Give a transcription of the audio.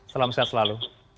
salam sehat selalu